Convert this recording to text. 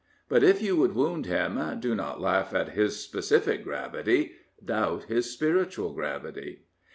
But if you would wound him, do not laugh at his specific gravity: doubt his spiritual gravity.